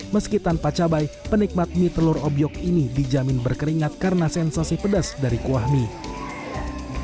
meski tanpa cabai penikmat mie telur obyok ini dijamin berkeringat karena sensasi pedas dari kuah mie